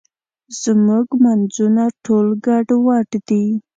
زموږ مونځونه ټول ګډوډ دي.